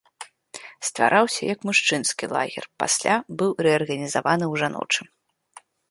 Ствараўся як мужчынскі лагер, пасля быў рэарганізаваны ў жаночы.